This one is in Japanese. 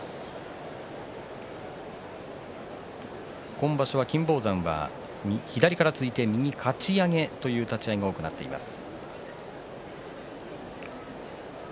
今場所、金峰山は左から突いて右かち上げという立ち合いが多くなっています。